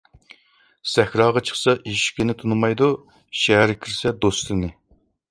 سەھراغا چىقسا ئېشىكىنى تونۇمايدۇ، شەھەرگە كىرسە دوستىنى.